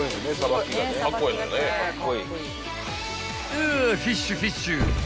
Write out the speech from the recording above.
［あっフィッシュフィッシュ！］